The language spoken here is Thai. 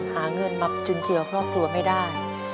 หาเงินมาจุนเจือครอบครัวไม่ได้